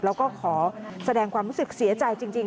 แล้วก็ขอแสดงความรู้สึกเสียใจจริง